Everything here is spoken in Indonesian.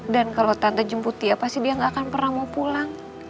dan kalau tante jemput dia pasti dia gak akan pernah mau pulang